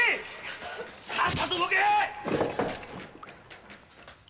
さっさと動けっ！